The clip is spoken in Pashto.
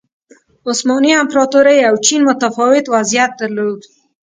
عثماني امپراتورۍ او چین متفاوت وضعیت درلود.